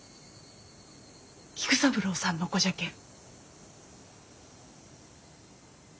菊三郎さんの子じゃけん。